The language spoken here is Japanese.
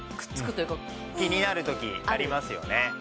気になる時ありますよね。